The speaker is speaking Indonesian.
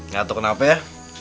gak tau kenapa ya